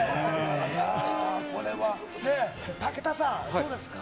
これはね、武田さん、どうですか？